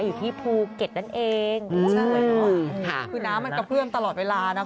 อยู่ที่ภูเก็ตนั่นเองใช่ค่ะคือน้ำมันกระเพื่อมตลอดเวลานะ